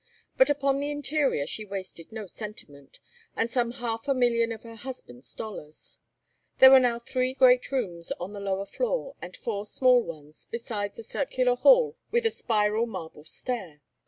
But upon the interior she wasted no sentiment, and some half a million of her husband's dollars. There were now three great rooms on the lower floor and four small ones, besides a circular hall with a spiral marble stair.